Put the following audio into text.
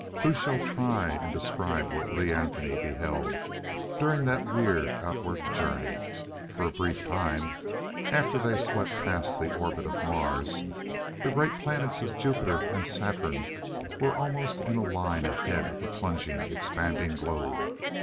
Who shall try and describe what Lee Anthony beheld during that weird outward journey?... For a brief time, after they swept past the orbit of Mars, the great planets of Jupiter and Saturn were almost in a line ahead of the plunging, expanding globe.